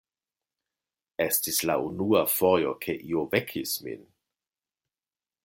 Estis la unua fojo, ke iu vekis min.